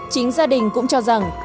chính gia đình cũng cho rằng